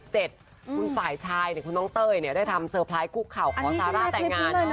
คุณฝ่ายชายคุณน้องเต้ยได้ทำเซอร์ไพรส์คุกเข่าขอซาร่าแต่งงาน